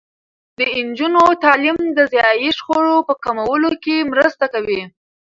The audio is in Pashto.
د نجونو تعلیم د ځايي شخړو په کمولو کې مرسته کوي.